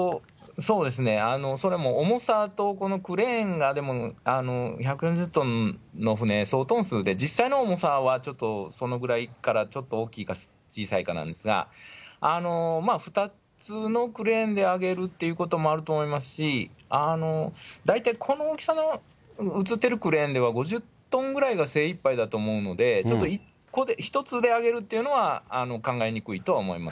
それも重さとクレーンが１２０トンの船、総トン数で実際の重さは、ちょっとそのぐらいから大きいか、小さいかなんですが、２つのクレーンで上げるっていうこともあると思いますし、大体この大きさの映ってるクレーンでは５０トンぐらいが精いっぱいだと思うので、ちょっとこれ１つで上げるというのは考えにくいとは思います。